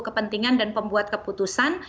kepentingan dan pembuat keputusan